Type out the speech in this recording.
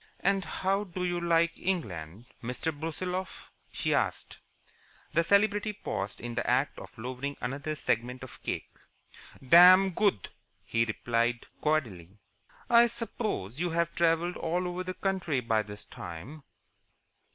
"And how do you like England, Mr. Brusiloff?" she asked. The celebrity paused in the act of lowering another segment of cake. "Dam good," he replied, cordially. "I suppose you have travelled all over the country by this time?"